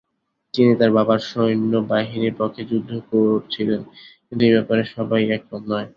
তিনি তার বাবার সৈন্যবাহিনীর পক্ষে যুদ্ধ করছিলেন, কিন্ত এই ব্যাপারে সবাই একমত নয়।